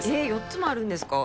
４つもあるんですか